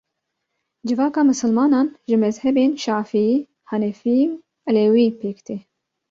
Civaka misilmanan ji mezhebên şafiî, henefî û elewî pêk tê.